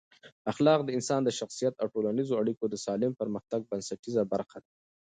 اخلاق د انسان د شخصیت او ټولنیزو اړیکو د سالم پرمختګ بنسټیزه برخه ده.